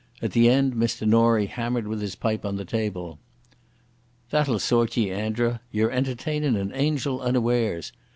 At the end Mr Norie hammered with his pipe on the table. "That'll sort ye, Andra. Ye're entertain' an angel unawares.